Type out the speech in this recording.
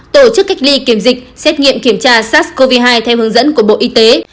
tổ chức cách ly kiểm dịch xét nghiệm kiểm tra sars cov hai theo hướng dẫn của bộ y tế